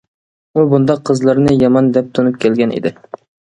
ئۇ بۇنداق قىزلارنى يامان دەپ تونۇپ كەلگەن ئىدى.